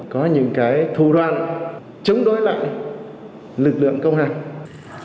có những cái thù đoan chống đối lại lực lượng công hành